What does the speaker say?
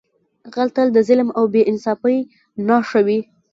غل تل د ظلم او بې انصافۍ نښه وي